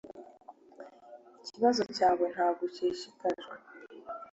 Ikibazo cyawe ntabwo ushishikajwe.